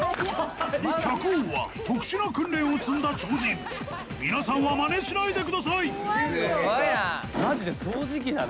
百王は特殊な訓練を積んだ超人皆さんはまねしないでくださいマジで掃除機だね